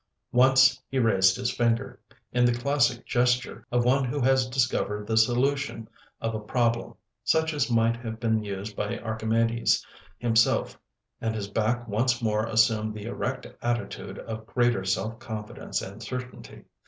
Once he raised his finger, in the classic gesture of one who has discovered the solution of a problem, such as might have been used by Archimedes himself, and his back once more assumed the erect attitude of greater self confidence and certainty.